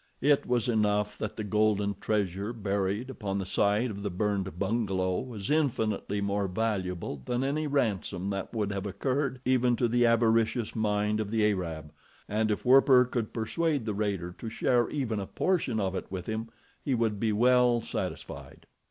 It was enough that the golden treasure buried upon the site of the burned bungalow was infinitely more valuable than any ransom that would have occurred even to the avaricious mind of the Arab, and if Werper could persuade the raider to share even a portion of it with him he would be well satisfied.